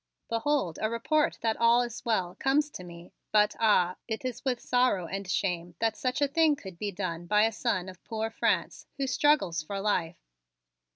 Behold, a report that all is well comes to me, but ah, it is with sorrow and shame that such a thing could be done by a son of poor France who struggles for life!